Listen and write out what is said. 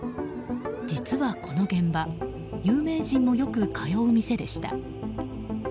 実は、この現場有名人もよく通う店でした。